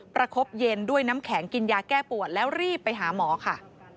ประคบเย็นด้วยน้ำแข็งกินยาแก้ปวดแล้วรีบไปหาหมอค่ะ